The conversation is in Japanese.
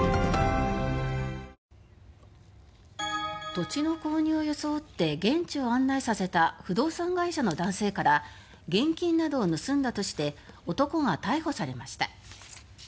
土地の購入を装って現地を案内させた不動産会社の男性から現金などを盗んだとして男が逮捕されました。